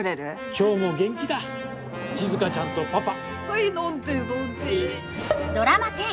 今日も元気だ静ちゃんとパパ。